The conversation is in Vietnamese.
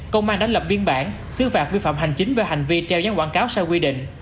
công an đã lập biên bản xứ phạt vi phạm hành chính về hành vi treo giáng quảng cáo sai quy định